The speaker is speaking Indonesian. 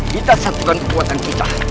kita satukan kekuatan kita